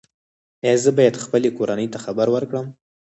ایا زه باید خپلې کورنۍ ته خبر ورکړم؟